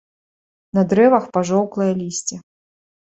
На дрэвах пажоўклае лісце.